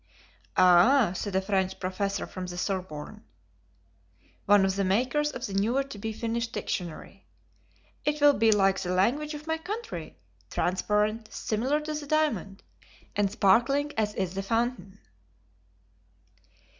"Ah," said a French professor from the Sorbonne, one of the makers of the never to be finished dictionary. "It will be like the language of my country. Transparent, similar to the diamond, and sparkling as is the fountain."